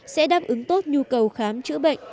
sẽ đáp ứng tốt nhu cầu khám chữa bệnh